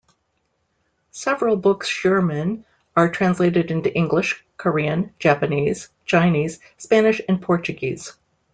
Several books Schuurman are translated into English, Korean, Japanese, Chinese, Spanish and Portuguese.